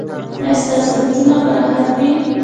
ایا ستاسو بوټونه به راحت وي؟